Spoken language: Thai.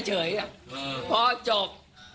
เฉยพอจบ